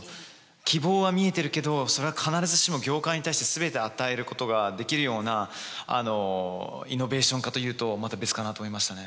希望は見えてるけどそれは必ずしも業界に対して全て与えることができるようなイノベーションかというとまた別かなと思いましたね。